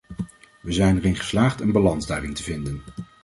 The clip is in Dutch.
We zijn erin geslaagd een balans daarin te vinden.